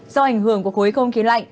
do ảnh hưởng của cuối không khí lạnh